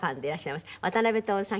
渡辺徹さん